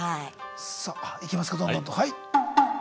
さいきますかどんどんと。